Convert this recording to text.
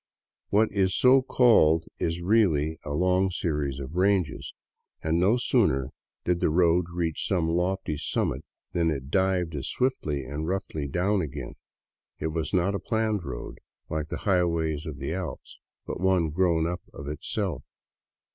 What is so called is really a long series of ranges, and no sooner did the road reach some lofty summit than it dived as swiftly and roughly down again. It was not a planned road, like the highways of the Alps, but one grown up of itself.